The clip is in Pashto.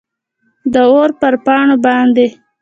داور پر پاڼو باندي ،